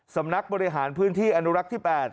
สำนักบริหารพื้นที่อนุรักษ์ที่๘